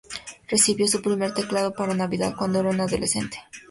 Recibió su primer teclado para Navidad, cuando era un adolescente.